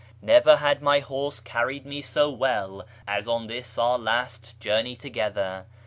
Never had my horse carried me so well as on this our last journey together.